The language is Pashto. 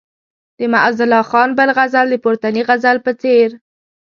د معزالله خان بل غزل د پورتني غزل په څېر.